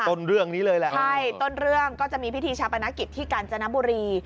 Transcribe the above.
ต้นเรื่องนี้เลยแหละใช่ต้นเรื่องก็จะมีพิธีชาปนกิจที่กาญจนบุรี